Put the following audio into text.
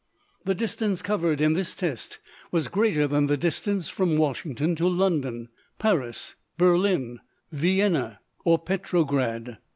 The distance covered in this test was greater than the distance from Washington to London, Paris, Berlin, Vienna, or Petrograd.